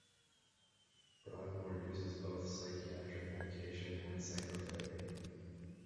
Broadmoor uses both psychiatric medication and psychotherapy.